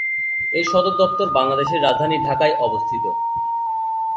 এর সদরদপ্তর বাংলাদেশের রাজধানী ঢাকায় অবস্থিত।